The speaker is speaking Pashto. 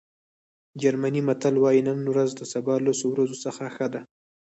جرمني متل وایي نن ورځ د سبا لسو ورځو څخه ښه ده.